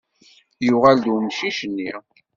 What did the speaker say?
Yuɣal-d umcic-nni.